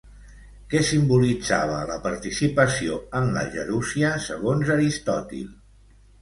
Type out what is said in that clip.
Què simbolitzava la participació en la gerúsia, segons Aristòtil?